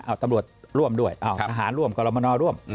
เอาตำรวจร่วมด้วยเอาทหารร่วมกรมนร่วม